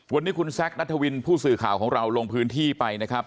วันนี้คุณแซคนัทวินผู้สื่อข่าวของเราลงพื้นที่ไปนะครับ